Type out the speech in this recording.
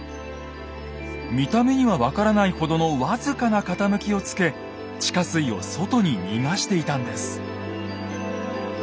見た目には分からないほどの僅かな傾きをつけ地下水を外に逃がしていたんです。